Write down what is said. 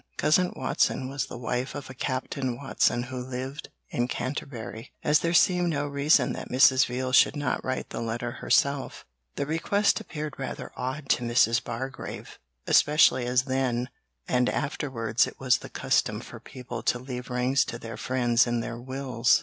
Cousin Watson was the wife of a Captain Watson who lived in Canterbury. As there seemed no reason that Mrs. Veal should not write the letter herself, the request appeared rather odd to Mrs. Bargrave, especially as then and afterwards it was the custom for people to leave rings to their friends in their wills.